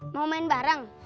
mau main bareng